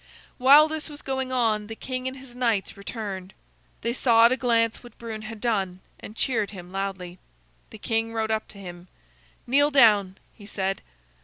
While this was going on, the king and his knights returned. They saw at a glance what Brune had done, and cheered him loudly. The king rode up to him. "Kneel down," he said.